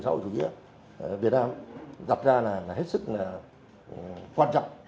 sau chủ nghĩa việt nam đặt ra là hết sức quan trọng